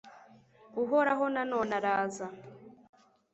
uhoraho na none araza